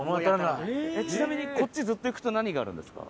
ちなみにこっちずっと行くと何があるんですか？